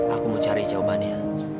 aku mau cari jawabannya